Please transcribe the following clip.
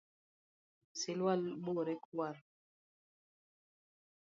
Silwal bore kwar